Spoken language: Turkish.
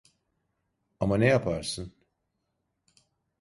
Ama ne yaparsın?